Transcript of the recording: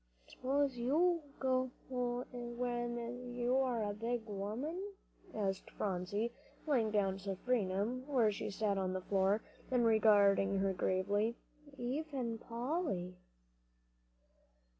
"Don't you suppose you'll go when you are a big woman?" asked Phronsie, laying down Seraphina, where she sat on the floor, and regarding her gravely. "Ever, Polly?"